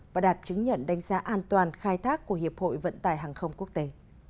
và đạt chứng nhận đánh giá an toàn khai thác của hiệp hội vận tải hàng không quốc tế